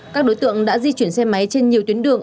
các đối tượng đã di chuyển xe máy trên nhiều tuyến đường